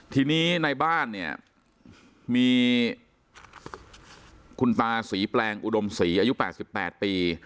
ทีนี้ในบ้านเนี่ยมีคุณตาศรีแปลงอุดมศรีอายุ๘๘ปี